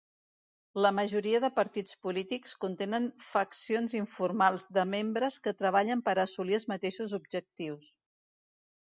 La majoria de partits polítics contenen faccions informals de membres que treballen per assolir els mateixos objectius.